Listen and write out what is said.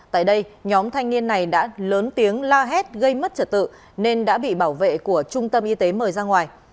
tại đây nhóm thanh niên này đã lớn tiếng la hét gây mất trật tự nên đã bị bảo vệ của trung tâm y tế mời ra ngoài